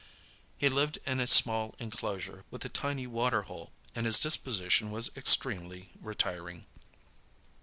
He lived in a small enclosure, with a tiny water hole, and his disposition was extremely retiring.